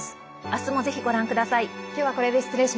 あすも、ぜひご覧ください。